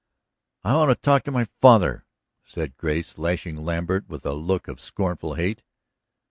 "I want to talk to my father," said Grace, lashing Lambert with a look of scornful hate.